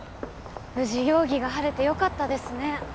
無事容疑が晴れてよかったですね